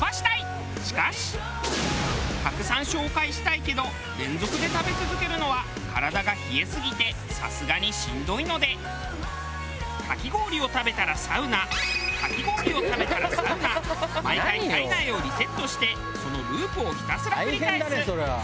しかしたくさん紹介したいけど連続で食べ続けるのは体が冷えすぎてさすがにしんどいのでかき氷を食べたらサウナかき氷を食べたらサウナ毎回体内をリセットしてそのループをひたすら繰り返す。